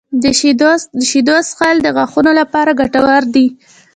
• د شیدو څښل د غاښونو لپاره ګټور دي.